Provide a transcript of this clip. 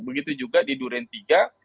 begitu juga di duren tiga